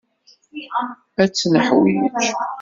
Ad tt-neḥwij.